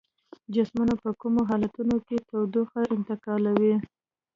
جسمونه په کومو حالتونو کې تودوخه انتقالوي؟